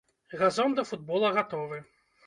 Газон да футбола гатовы.